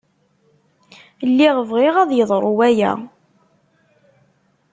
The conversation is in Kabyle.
Lliɣ bɣiɣ ad yeḍru waya.